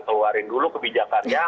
keluarin dulu kebijakannya